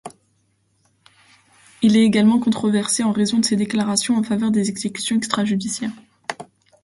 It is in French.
Il est également controversé en raison de ses déclarations en faveur des exécutions extrajudiciaires.